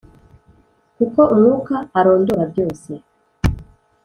kuko Umwuka arondora byose,